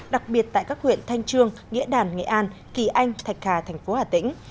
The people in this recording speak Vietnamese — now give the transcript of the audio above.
đặc biệt tại các huyện thanh trương nghĩa đàn nghệ an kỳ anh thạch hà tp hà tĩnh